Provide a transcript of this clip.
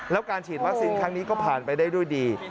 แล้วการฉีดวัคซีนครั้งนี้ก็ผ่านไปได้ด้วยดี